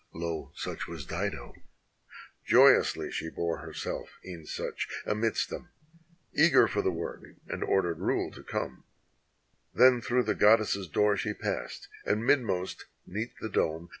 Lo, such was Dido; joyously she bore herself e'en such Amidst them, eager for the work and ordered rule to come; Then through the goddess' door she passed, and midmost 'neath the dome.